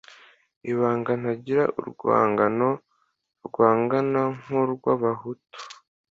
Ibanga ntagira urwangano rwangana nk'urw'abahutu